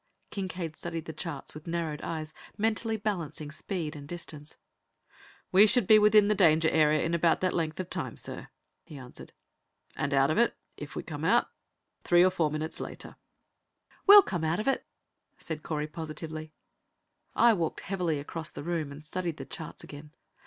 Kincaide studied the charts with narrowed eyes, mentally balancing distance and speed. "We should be within the danger area in about that length of time, sir," he answered. "And out of it if we come out three or four minutes later." "We'll come out of it," said Correy positively. I walked heavily across the room and studied the charts again.